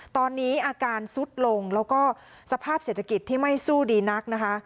ตอนนี้อาการซุดลงแล้วก็สภาพเศรษฐกิจที่ไม่สู้ดีนักนะคะ